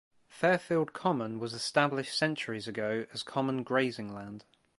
Fairfield Common was established centuries ago as common grazing land.